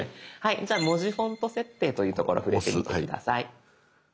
じゃあ「文字フォント設定」というところ触れてみて下さい。